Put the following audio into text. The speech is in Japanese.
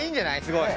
すごい。